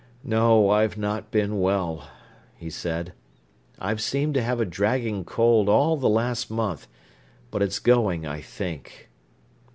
"No, I've not been well," he said. "I've seemed to have a dragging cold all the last month, but it's going, I think."